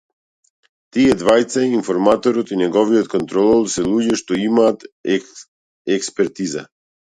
Тие двајца, информаторот и неговиот контролор се луѓе што имаат експертиза.